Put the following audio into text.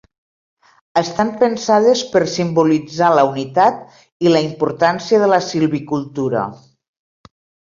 Estan pensades per simbolitzar la unitat i la importància de la silvicultura.